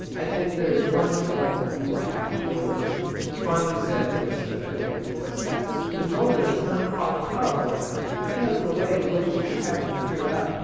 "I think there is one trouble that we will have to get over," he finally said to Mr. Fenwick. "What is that?" "The motor is not quite powerful enough because of the way in which you have it geared up.